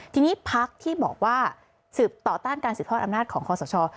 ทีนี้พักที่บอกว่าสืบต่อต้านการสืบทอดอำนาจของคอสช